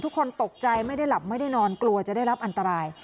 ทุกคนตกใจไม่ได้หลับไม่ได้นอนกลัวจะได้รับอันตราย